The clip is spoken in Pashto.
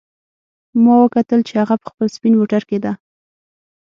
ما وکتل چې هغه په خپل سپین موټر کې ده